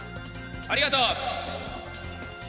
ありがとう。